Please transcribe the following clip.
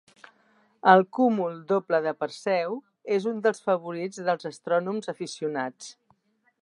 El cúmul doble de Perseu és un dels favorits dels astrònoms aficionats.